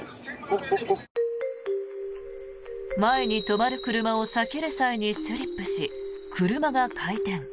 前に止まる車を避ける際にスリップし車が回転。